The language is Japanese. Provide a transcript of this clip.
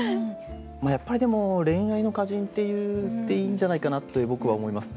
やっぱりでも恋愛の歌人っていっていいんじゃないかなって僕は思います。